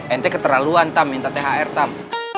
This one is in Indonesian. nt keterlaluan tam minta thr tam